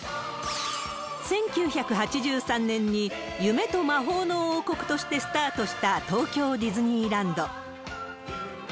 １９８３年に、夢と魔法の王国としてスタートした東京ディズニーランド。